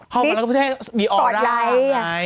เข้ามาแล้วก็พูดให้ดีออกได้สปอร์ตไลค์